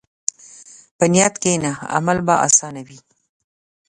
په نیت کښېنه، عمل به اسانه وي.